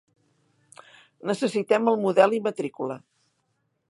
Necessitem el model i matricula.